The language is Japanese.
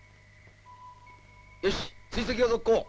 よし追跡を続行。